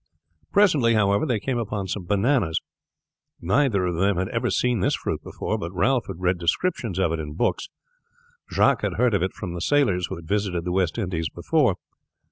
Presently, however, they came upon some bananas. Neither of them had ever seen this fruit before, but Ralph had read descriptions of it in books, Jacques had heard of it from sailors who had visited the West Indies before.